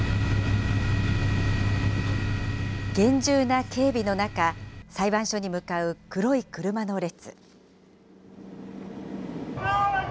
厳重な警備の中、裁判所に向かう黒い車の列。